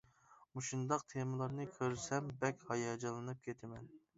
مۇشۇنداق تېمىلارنى كۆرسەم بەك ھاياجانلىنىپ كېتىمەن.